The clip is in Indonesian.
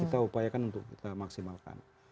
kita upayakan untuk kita maksimalkan